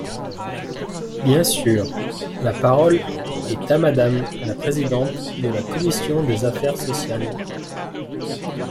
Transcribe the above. Bien sûr ! La parole est à Madame la présidente de la commission des affaires sociales.